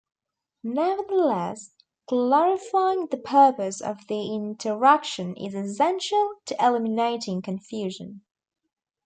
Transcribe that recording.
Nevertheless, clarifying the purpose of the interaction is essential to eliminating confusion.